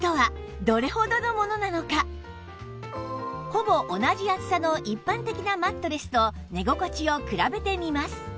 ほぼ同じ厚さの一般的なマットレスと寝心地を比べてみます